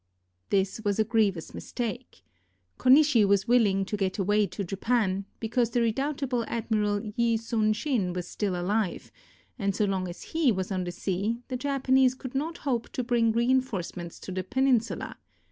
This was a grievous mistake. Konishi was willing to get away to Japan, because the redoubt able Admiral Yi Sun sin was still alive, and so long as he was on the sea the Japanese could not hope to bring reinforcements to the peninsula.